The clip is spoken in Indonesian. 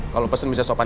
kalau pesen bisa sopan